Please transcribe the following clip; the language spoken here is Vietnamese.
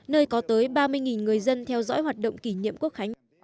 nơi có tới ba mươi người dân theo dõi hoạt động kỷ niệm quốc khánh